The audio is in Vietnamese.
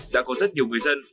đã có rất nhiều người dân